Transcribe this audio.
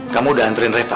kamu udah anterin reva